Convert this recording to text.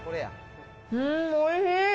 うん、おいしい！